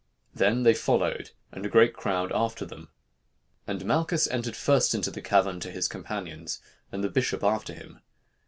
Then they followed, and a great crowd after them. And Malchus entered first into the cavern to his companions, and the bishop after him....